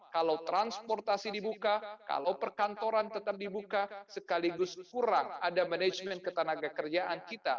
kalau transportasi dibuka kalau perkantoran tetap dibuka sekaligus kurang ada manajemen ketenaga kerjaan kita